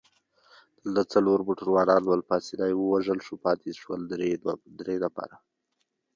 دلته څلور موټروانان ول، پاسیني ووژل شو، پاتې شول درې نفره.